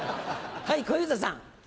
はい小遊三さん。